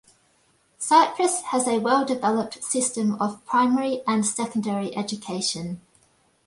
Cyprus has a well-developed system of primary and secondary education.